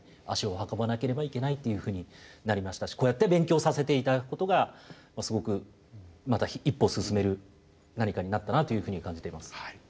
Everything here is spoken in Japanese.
足を運ばなければいけないっていうふうになりましたしこうやって勉強させて頂くことがすごくまた一歩進める何かになったなというふうに感じています。